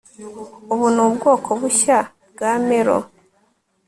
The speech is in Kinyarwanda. Ubu ni ubwoko bushya bwa melon